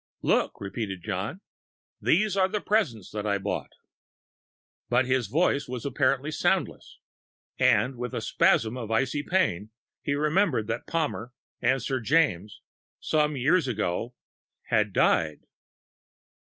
"Look!" repeated John, "these are the presents that I brought." But his voice apparently was soundless. And, with a spasm of icy pain, he remembered that Palmer and Sir James some years ago had died.